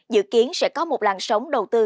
dự kiến sẽ có một làn sống đầu tư